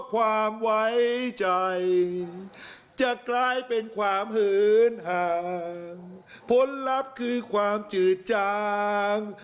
ความเหินห่างผลลัพธ์คือความจืดจาง